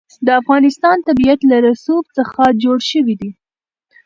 د افغانستان طبیعت له رسوب څخه جوړ شوی دی.